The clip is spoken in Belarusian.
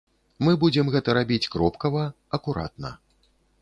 Мы будзем гэта рабіць кропкава, акуратна.